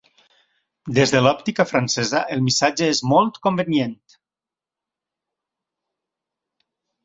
Des de l'òptica francesa, el missatge és molt convenient.